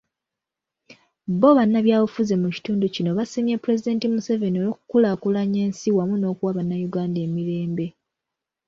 Bo bannabyabufuzi mu kitundu kino baasiimye Pulezidenti Museveni olw'okukulaakulanya ensi wamu n'okuwa bannayuganda emirembe.